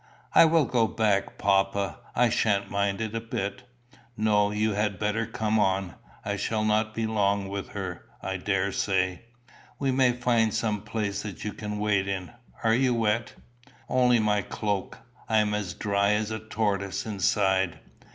"I will go back, papa. I sha'n't mind it a bit." "No; you had better come on. I shall not be long with her, I daresay. We may find some place that you can wait in. Are you wet?" "Only my cloak. I am as dry as a tortoise inside."